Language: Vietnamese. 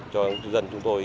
cho dân chúng tôi